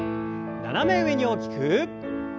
斜め上に大きく。